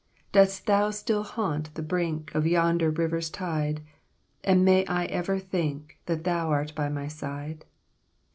"Dost thou still haunt the brink Of yonder river's tide? And may I ever think That thou art by my side?